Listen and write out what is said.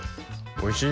おいしい！